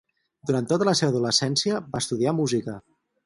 Durant tota la seva adolescència va estudiar música.